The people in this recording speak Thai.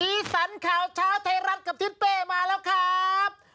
สันข่าวเช้าไทยรัฐกับทิศเป้มาแล้วครับ